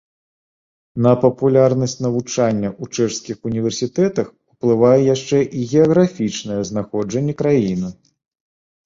На папулярнасць навучання ў чэшскіх універсітэтах уплывае яшчэ і геаграфічнае знаходжанне краіны.